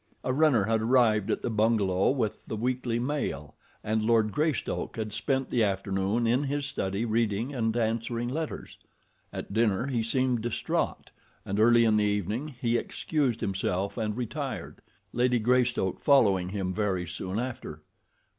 A runner had arrived at the bungalow with the weekly mail, and Lord Greystoke had spent the afternoon in his study reading and answering letters. At dinner he seemed distraught, and early in the evening he excused himself and retired, Lady Greystoke following him very soon after.